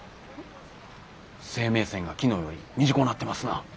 生命線が昨日より短なってますな。